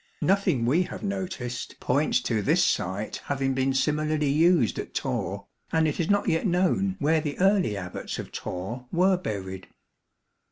Nothing we have noticed points to this site having been similarly used at Torre, and it is not yet known where the early Abbats of Torre were buried.